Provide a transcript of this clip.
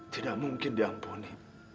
tidak mungkin diampuni